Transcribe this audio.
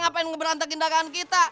ngapain ngeberantak indagangan kita